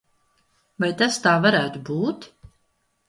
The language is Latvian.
Vai tas tā varētu būt?